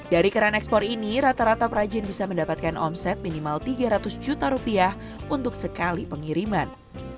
dari keran ekspor ini rata rata perajin bisa mendapatkan omset minimal tiga ratus juta rupiah untuk sekali pengiriman